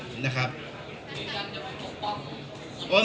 มีการปกป้อง